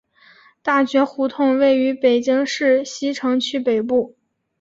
大觉胡同位于北京市西城区北部。